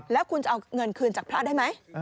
แล้วคุณจะเอาเงินคืนจากพระได้ไหม